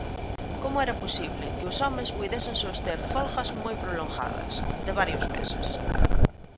Como era posible que os homes puidesen soster folgas moi prolongadas, de varios meses?